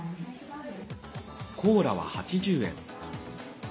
コーラは８０円。